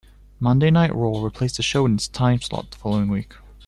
"Monday Night Raw" replaced the show in its timeslot the following week.